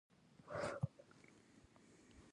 دوی د بېلابېلو انساني ډولونو په منځ کې بشپړ ګډ نه وو.